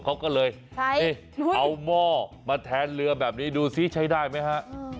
เขาก็เลยเอาหม้อมาแทนเรือแบบนี้ดูซิใช้ได้ไหมฮะ